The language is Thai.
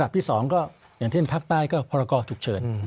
ระดับที่สองก็อย่างที่เป็นภาคใต้ก็พรากอถุเฉิน